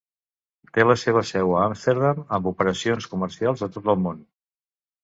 Té la seva seu a Amsterdam amb operacions comercials a tot el món.